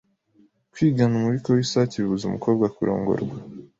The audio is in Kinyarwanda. Kwigana umubiko w’isake bibuza umukobwa kurongorwa